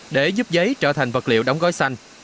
để giúp giấy trở thành vật liệu đóng gói xanh